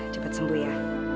cepat sembuh ya